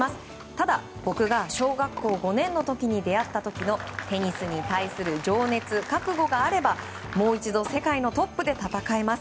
ただ、僕が小学校５年の時に出会った時のテニスに対する情熱・覚悟があればもう一度世界のトップで戦えます。